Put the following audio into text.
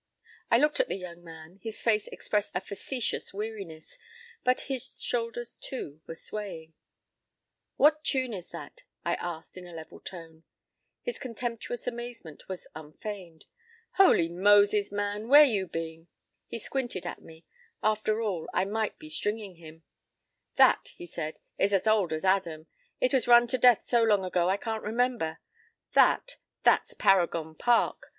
p> I looked at the young man. His face expressed a facetious weariness, but his shoulders, too, were swaying. "What tune is that?" I asked, in a level tone.His contemptuous amazement was unfeigned. "Holy Moses! man. Where you been?" He squinted at me. After all, I might be "stringing him." "That," he said, "is as old as Adam. It was run to death so long ago I can't remember. That? That's 'Paragon Park.'